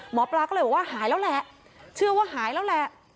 หมอปลาก็เลยบอกว่าหายแล้วแหละเชื่อว่าหายแล้วแหละ